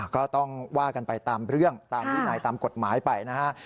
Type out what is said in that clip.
ก็ต้องว่ากันไปตามเรื่องตามวินัยตามกฎหมายไปนะฮะ